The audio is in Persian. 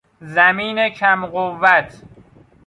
زمین کم قوت